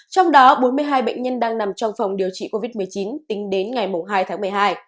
trong đó bốn mươi hai bệnh nhân đang nằm trong phòng điều trị covid một mươi chín tính đến ngày hai tháng một mươi hai